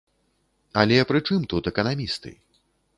Але прычым тут эканамісты?